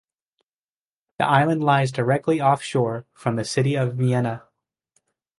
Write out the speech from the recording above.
The island lies directly offshore from the city of Vienna.